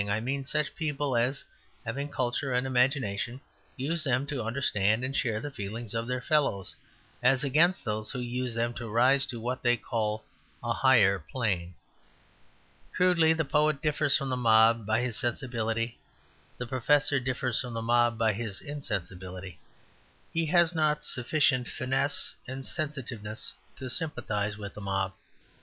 I mean such people as, having culture and imagination, use them to understand and share the feelings of their fellows; as against those who use them to rise to what they call a higher plane. Crudely, the poet differs from the mob by his sensibility; the professor differs from the mob by his insensibility. He has not sufficient finesse and sensitiveness to sympathize with the mob.